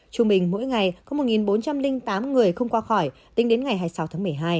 trung bình mỗi ngày có một bốn trăm linh tám người không qua khỏi tính đến ngày hai mươi sáu tháng một mươi hai